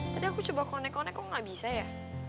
tadi aku coba konek konek kok gak bisa ya